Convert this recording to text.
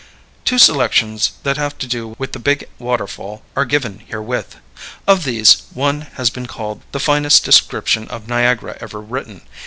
Two selections that have to do with the big waterfall are given herewith. Of these, one has been called the finest description of Niagara ever written.